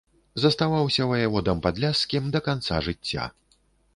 Заставаўся ваяводам падляшскім да канца жыцця.